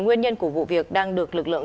nguyên nhân của vụ việc đang được lực lượng